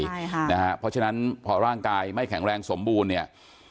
ใช่ค่ะนะฮะเพราะฉะนั้นพอร่างกายไม่แข็งแรงสมบูรณ์เนี่ย